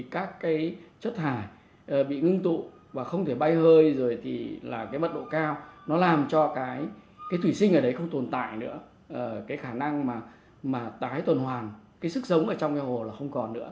cái khả năng mà tái tuần hoàn cái sức sống ở trong cái hồ là không còn nữa